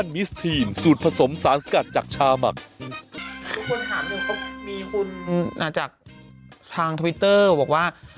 มีคนถามหนึ่งเขามีคุณจากทางทวิตเตอร์บอกว่า